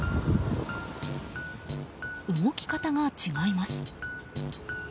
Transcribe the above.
動き方が違います。